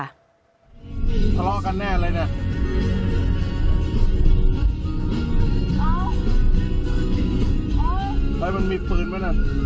ทะเลาะกันแน่เลยเนี่ย